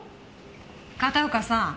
片岡さん